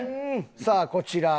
さあこちら